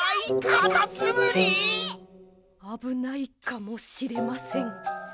あぶないかもしれません。